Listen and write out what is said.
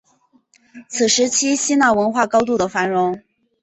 此时期希腊文化高度的繁荣